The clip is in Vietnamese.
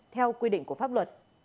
theo quy định của pháp luật